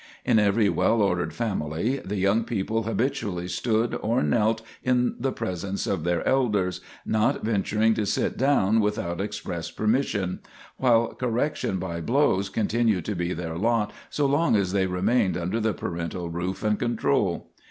In every well ordered family, the young people habitually stood or knelt in the presence of their elders, not venturing to sit down without express permission; while correction by blows continued to be their lot so long as they remained under the parental roof and control.